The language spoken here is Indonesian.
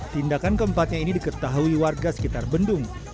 tindakan keempatnya ini diketahui warga sekitar bendung